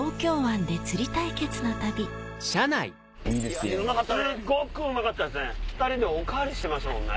すごくうまかったですね